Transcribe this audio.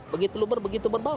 begitu luber begitu berbau